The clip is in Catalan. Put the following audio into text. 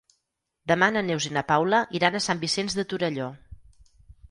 Demà na Neus i na Paula iran a Sant Vicenç de Torelló.